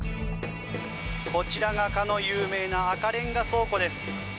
こちらが、かの有名な赤レンガ倉庫です。